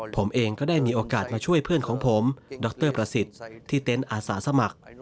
ผมเองก็ได้มีโอกาสมาช่วยเพื่อนของผมดรประสิทธิ์ที่เต็นต์อาสาสมัคร